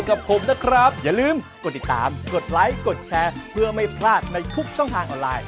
โอเคโอเคโอเค